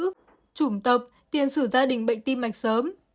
chủng tập tiền xử gia đình bệnh tim mạch sớm